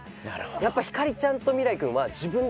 やっぱひかりちゃんと未來君は。